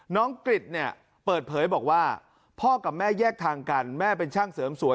กริจเนี่ยเปิดเผยบอกว่าพ่อกับแม่แยกทางกันแม่เป็นช่างเสริมสวย